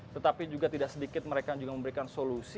tetapi juga tidak sedikit mereka juga memberikan solusi